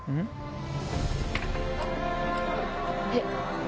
えっ？